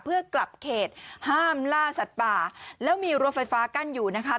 เพื่อกลับเขตห้ามล่าสัตว์ป่าแล้วมีรั้วไฟฟ้ากั้นอยู่นะคะ